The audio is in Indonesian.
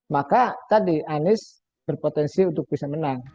maka tadi anies berpotensi untuk bisa menang